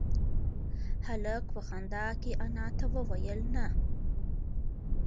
هلک په خندا کې انا ته وویل نه.